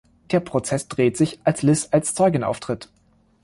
Der Prozess dreht sich, als Liz als Zeugin auftritt.